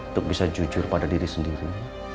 untuk bisa jujur pada diri sendiri